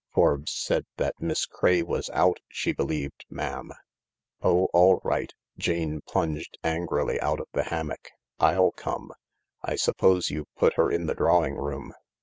Forbes said that Miss Craye was out, she believed, ma'am. " Oh, all right." Jane plunged angrily out of the hammock. " I'll come. I suppose you've put her in the drawing room